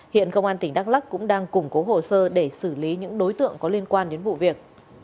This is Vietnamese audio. hiện công an tỉnh đắk lắc cũng đang củng cố hồ sơ để xử lý những đối tượng có liên quan đến vụ việc